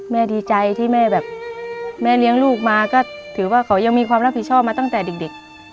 ดีใจที่แม่แบบแม่เลี้ยงลูกมาก็ถือว่าเขายังมีความรับผิดชอบมาตั้งแต่เด็ก